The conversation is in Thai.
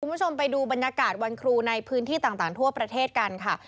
คุณผู้ชมไปดูบรรยากาศวันครูในพื้นที่ต่างทั่วประเทศกันค่ะ